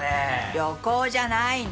旅行じゃないの！